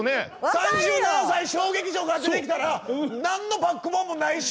三十何歳小劇場から出てきたら何のバックボーンもないし。